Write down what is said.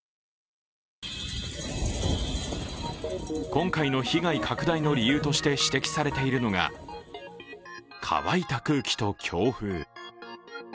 今回の被害拡大の理由として指摘されているのが乾いた空気と強風。